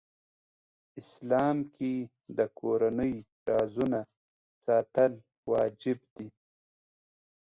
اسلام کې د کورنۍ رازونه ساتل واجب دي .